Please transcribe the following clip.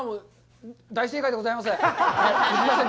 大正解でございます。